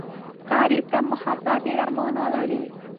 غریب ته محبت ډېره مانا لري